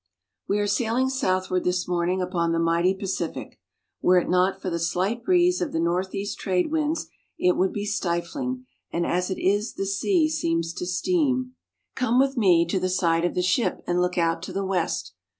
WE are sailing southward this morning upon the mighty Pacific. Were it not for the slight breeze of the northeast trade winds it would be stifling, and as it is the sea seems to steam. 30 COLOMBIA. Come with me to. the side of the ship and look out to the west.